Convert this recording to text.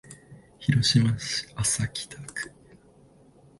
広島市安佐北区